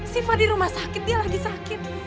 siva di rumah sakit dia lagi sakit